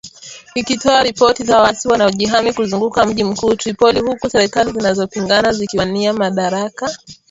ikitoa ripoti za waasi wanaojihami kuzunguka mji mkuu Tripoli huku serikali zinazopingana zikiwania madaraka